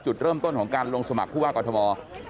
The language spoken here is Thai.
จุดเริ่มต้นของการลงสมัครผู้ว่ากอทม